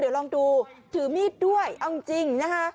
เดี๋ยวลองดูถือมีดด้วยเอาจริงนะคะ